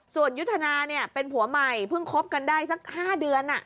ส่วนยุทธนาเป็นผัวใหม่เพิ่งคบกันได้สัก๕เดือน